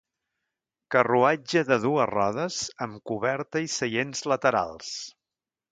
Carruatge de dues rodes, amb coberta i seients laterals.